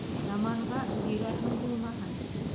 Яманға бирәһең булмаһын: